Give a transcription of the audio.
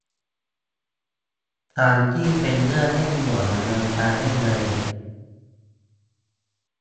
ทั้งที่เป็นเรื่องเร่งด่วนดำเนินการได้เลย